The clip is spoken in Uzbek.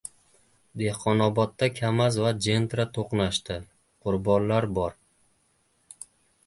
Dehqonobodda Kamaz va Gentra to‘qnashdi. Qurbonlar bor